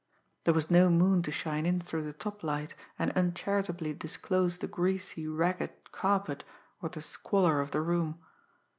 There was no moon to shine in through the top light and uncharitably disclose the greasy, ragged carpet, or the squalor of the room.